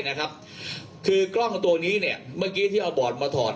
นะครับคือกล้องตัวนี้เนี่ยเมื่อกี้ที่เอาบอร์ดมาถอด